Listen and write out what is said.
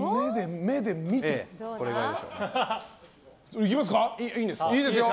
いきますか？